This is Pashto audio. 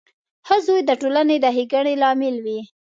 • ښه زوی د ټولنې د ښېګڼې لامل وي.